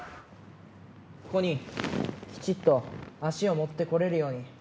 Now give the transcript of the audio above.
ここに、きちっと、足を持ってこれるように。